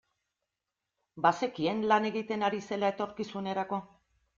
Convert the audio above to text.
Bazekien lan egiten ari zela etorkizunerako.